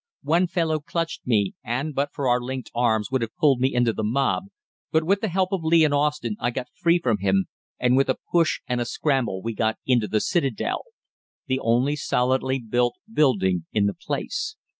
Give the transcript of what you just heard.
One fellow clutched me and but for our linked arms would have pulled me into the mob, but with the help of Lee and Austin I got free from him, and with a push and a scramble we got into the citadel the only solidly built building in the place.